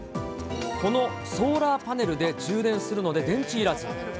このソーラーパネルで充電するので電池いらず。